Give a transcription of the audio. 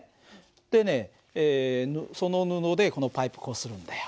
でねその布でこのパイプこするんだよ。